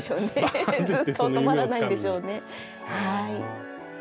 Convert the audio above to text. ずっと止まらないんでしょうね。